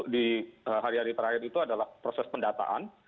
di hari hari terakhir itu adalah proses pendataan